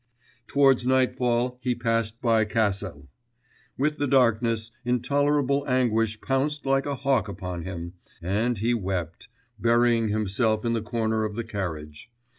_] Towards nightfall he passed by Cassel. With the darkness intolerable anguish pounced like a hawk upon him, and he wept, burying himself in the corner of the carriage.